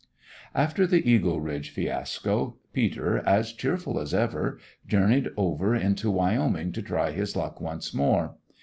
After the Eagle Ridge fiasco, Peter, as cheerful as ever, journeyed over into Wyoming to try his luck once more.